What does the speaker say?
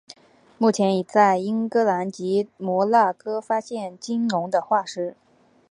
目前已在英格兰及摩纳哥发现鲸龙的化石。